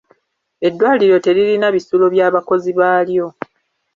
Eddwaliro teririna bisulo by'abakozi baalyo.